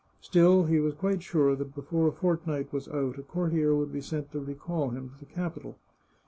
Still he was quite sure that before a fortnight was out a courier would be sent to recall him to the capital.